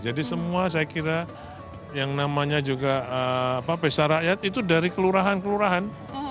jadi semua saya kira yang namanya juga pesara rakyat itu dari kelurahan kelurahan